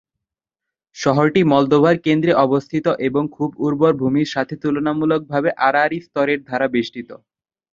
শহরটি মলদোভার কেন্দ্রে অবস্থিত এবং খুব উর্বর ভূমির সাথে তুলনামূলকভাবে আড়াআড়ি স্তরের দ্বারা বেষ্টিত।